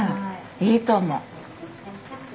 いいと思う！